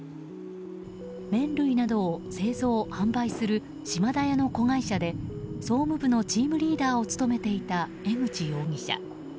麺類などを製造・販売するシマダヤの子会社で総務部のチームリーダーを務めていた、江口容疑者。